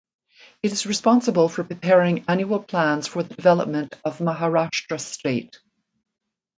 It is responsible for preparing annual plans for the development of Maharashtra state.